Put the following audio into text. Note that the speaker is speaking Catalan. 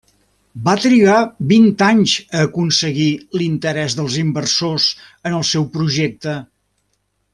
Va trigar vint anys a aconseguir l'interès dels inversors en el seu projecte.